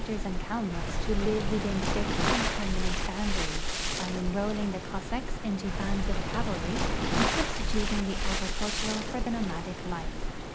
4 RUSSIA IX EUROPE and Kalmucks to live within fixed and permanent boundaries, by enrolling tlie Cossacks into bands of cavalry, and substituting the agricultural for the nomadic life.